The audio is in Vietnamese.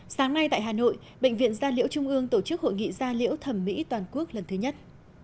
sáng nay tại hà nội bệnh viện gia liễu trung ương tổ chức hội nghị gia liễu thẩm mỹ toàn quốc lần thứ nhất